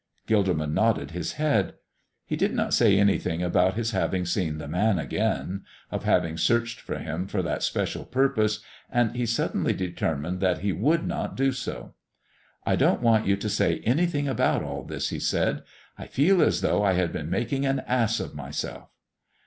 Gilderman nodded his head. He did not say anything about his having seen the Man again of having searched for Him for that special purpose, and he suddenly determined that he would not do so. "I don't want you to say anything about all this," he said; "I feel as though I had been making an ass of myself."